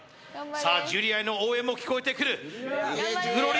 さあジュリアへの応援も聞こえてくるジュリア！